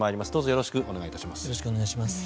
よろしくお願いします。